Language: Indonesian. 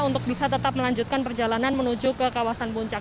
untuk bisa tetap melanjutkan perjalanan menuju ke kawasan puncak